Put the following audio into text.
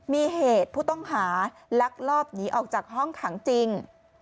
มีเหตุผู้ต้องหาลักลอบหนีออกจากห้องขังจริง